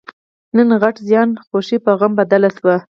نن غټ زیان؛ خوښي په غم بدله شوه.